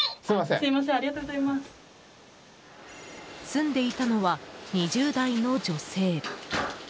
住んでいたのは２０代の女性。